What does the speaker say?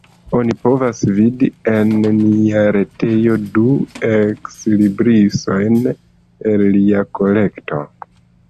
Oni povas vidi en nia retejo du ekslibrisojn el lia kolekto.